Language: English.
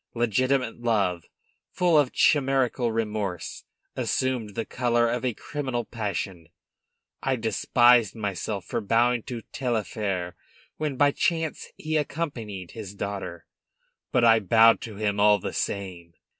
Legitimate love, full of chimerical remorse, assumed the color of a criminal passion. I despised myself for bowing to Taillefer when, by chance, he accompanied his daughter, but I bowed to him all the same.